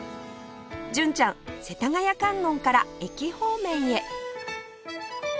純ちゃん世田谷観音から駅方面へ